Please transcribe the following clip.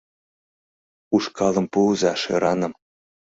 Ушкалым пуыза шӧраным